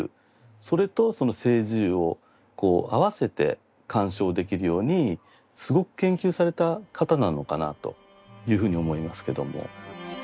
それとその青磁釉をあわせて鑑賞できるようにすごく研究された方なのかなというふうに思いますけども。